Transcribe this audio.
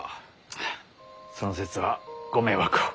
あっその節はご迷惑を。